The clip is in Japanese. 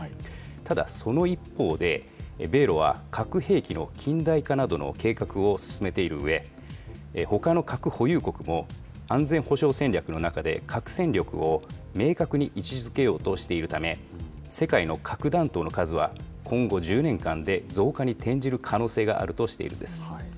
ただ、その一方で、米ロは核兵器の近代化などの計画を進めているうえ、ほかの核保有国も、安全保障戦略の中で、核戦力を明確に位置づけようとしているため、世界の核弾頭の数は、今後１０年間で増加に転じる可能性があるとしているんです。